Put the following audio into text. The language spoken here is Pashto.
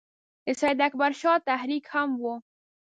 د سید اکبر شاه تحریک هم وو.